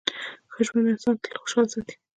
ښه ژوند انسان تل خوشحاله ساتي.